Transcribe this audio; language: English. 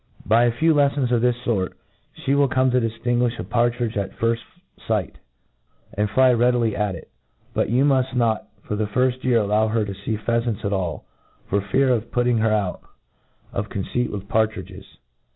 By a few leffons of this fort ihe will come to diflinguiOi a partridge at firft fight, and fly readily at it ; but you muft not for the firft year allow her to fee pheafants at all, for fear of putting hereout of conceit . vnith partridges.